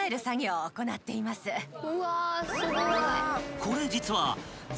［これ実はザ★